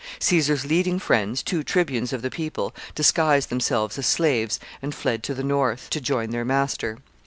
Caesar's leading friends, two tribunes of the people, disguised themselves as slaves, and fled to the north to join their master.